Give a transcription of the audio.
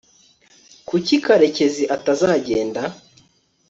kuki karekezi atazagenda